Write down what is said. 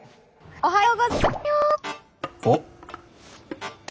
おはよう。